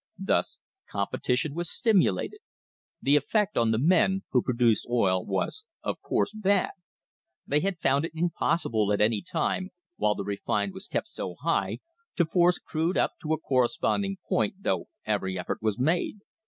Thus competition was stimulated. The effect on the men who produced oil was, of course, bad. They had found it impossible at any time, while the refined was kept so high, to force crude up to a correspond ing point, though every effort was made.